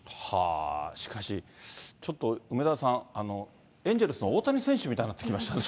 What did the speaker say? しかしちょっと梅沢さん、エンジェルスの大谷選手みたいになってきましたね。